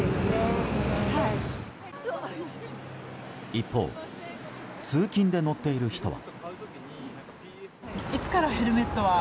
一方通勤で乗っている人は。